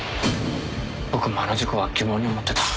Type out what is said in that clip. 「僕もあの事故は疑問に思ってた」